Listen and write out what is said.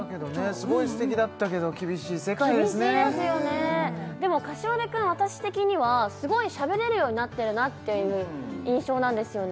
すごい素敵だったけど厳しい世界ですねでも膳君私的にはすごいしゃべれるようになってるなっていう印象なんですよね